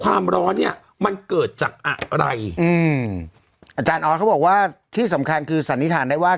ความร้อนเนี้ยมันเกิดจากอะไรอืมอาจารย์ออสเขาบอกว่าที่สำคัญคือสันนิษฐานได้ว่า